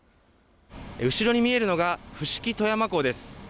後ろに見えるのが、伏木富山港です。